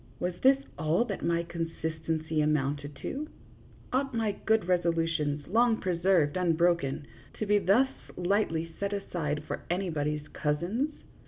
Was this all that my consistency amounted to ? Ought my good resolu tions, long preserved unbroken, to be thus lightly set aside for anybody's cousins